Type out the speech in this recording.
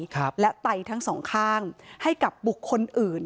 ครับและไตทั้งสองข้างให้กับบุคคลอื่น